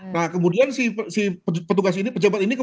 nah kemudian si petugas ini pejabat ini